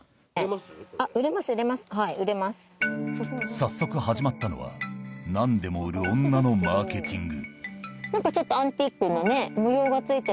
早速始まったのは何でも売る女のマーケティング